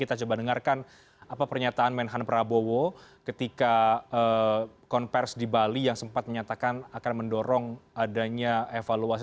kita coba dengarkan apa pernyataan menhan prabowo ketika konversi di bali yang sempat menyatakan akan mendorong adanya evaluasi